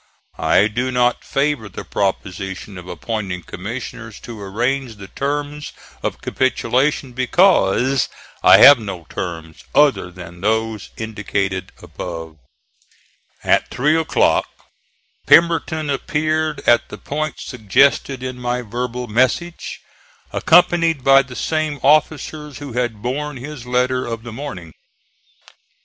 I do not favor the proposition of appointing commissioners to arrange the terms of capitulation, because I have no terms other than those indicated above." At three o'clock Pemberton appeared at the point suggested in my verbal message, accompanied by the same officers who had borne his letter of the morning.